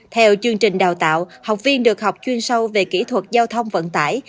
theo chương trình đào tạo học viên được học chuyên sâu về kỹ thuật giao thông vận tải